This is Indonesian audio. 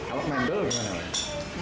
apa mendol gimana